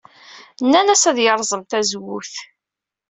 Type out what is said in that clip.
Nnan-as ad yerẓem tazewwut.